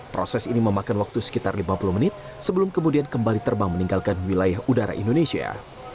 proses ini memakan waktu sekitar lima puluh menit sebelum kemudian kembali terbang meninggalkan wilayah udara indonesia